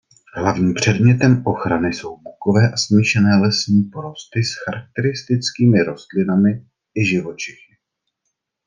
Hlavním předmětem ochrany jsou bukové a smíšené lesní porosty s charakteristickými rostlinami i živočichy.